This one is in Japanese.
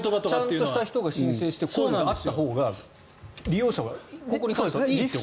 ちゃんとした人が申請してこういうのがあったほうが利用者が、ここに関してはいいということですよね。